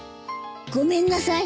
ごめんなさい